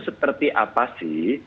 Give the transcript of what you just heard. seperti apa sih